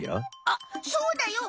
あっそうだよ！